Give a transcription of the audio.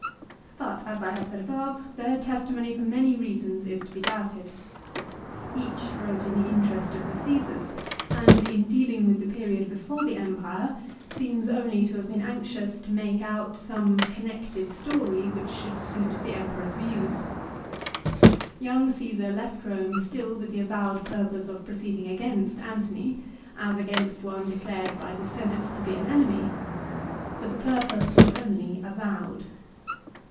2 But as I have said above their testimony for many reasons is to be doubted. Each wrote in the interest of the Caesars, and, in dealing with the period before the Empire, seems only 1 Appian, lib. iii. 92. u Dio Cassius, lib. xlvi. 46. CICERO'S DEATH. 287 to have been anxious to make out some connected story which should suit the Emperor's views. Young Caesar left Eome still with the avowed purpose of proceeding against Antony, as against one declared by the Senate to be an enemy ; but the purpose was only avowed.